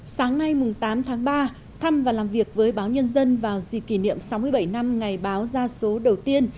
sáng nay tám tháng ba thăm và làm việc với báo nhân dân vào dịp kỷ niệm sáu mươi bảy năm ngày báo ra số đầu tiên